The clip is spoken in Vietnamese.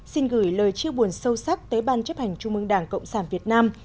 xin gửi lời chia buồn sâu sắc tới ban chấp hành trung mương đảng cộng sản việt nam